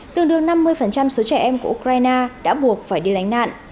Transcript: tương đương năm mươi số trẻ em của ukraine đã buộc phải đi lánh nạn